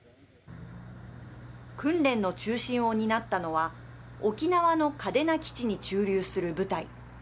訓練の中心を担ったのは沖縄の嘉手納基地に駐留する部隊。